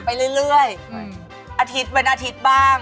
เดี๋ยวแล้วผมติดงาน